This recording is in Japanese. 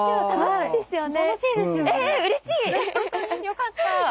よかった。